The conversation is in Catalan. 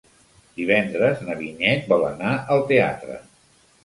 Divendres na Vinyet vol anar al teatre.